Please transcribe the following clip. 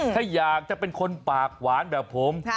ถ้าอยากจะเป็นคนปากหวานแบบผม